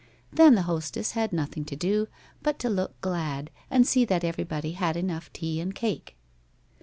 Then the hostess had nothing to do but to look glad, and see that everybody had enough tea and cake.